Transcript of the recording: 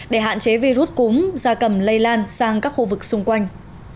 để hạn chế virus cúm da cầm lây lan sang các khu vực xung quanh